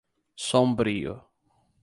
Sombrio